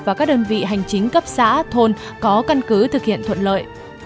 và các đơn vị hành chính cấp xã thôn có căn cứ thực hiện thuận lợi